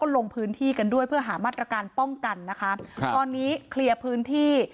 ลงพื้นที่กันด้วยเพื่อหามาตรการป้องกันนะคะครับตอนนี้เคลียร์พื้นที่